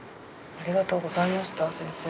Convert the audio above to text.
ありがとうございました先生。